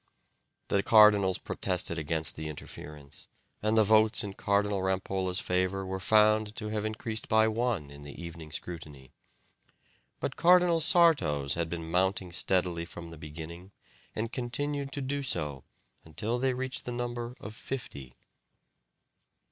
The cardinals protested against the interference, and the votes in Cardinal Rampolla's favour were found to have increased by one in the evening scrutiny. But Cardinal Sarto's had been mounting steadily from the beginning and continued to do so until they reached the number of fifty.